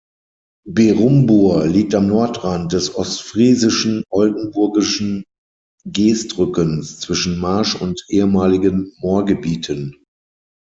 Berumbur liegt am Nordrand des ostfriesischen-oldenburgischen Geestrückens zwischen Marsch- und ehemaligen Moorgebieten.